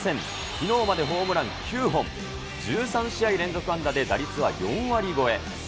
きのうまでホームラン９本、１３試合連続安打で打率は４割超え。